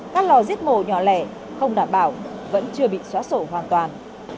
các lò giết mổ nhỏ lẻ không đảm bảo vẫn chưa bị xóa sổ hoàn toàn